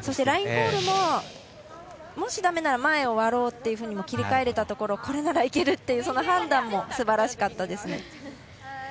そしてラインコールももしダメなら、前を割ろうって切り替えれたところ、これならいけるっていう判断もすばらしかったですね。